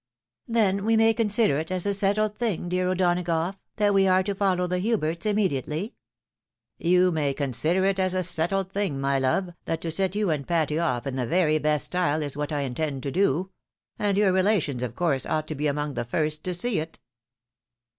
." Then we may consider it as a settled thing, dear O'Dona gough, that we are to follow the Huberts immediately ?"" You may consider it as a settled thing, my love, that to set you and Patty off in the very best style is what I intend to do ; and your relations, of course, ought to be among the first to see it."